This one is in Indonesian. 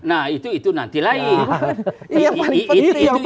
nah itu nanti lain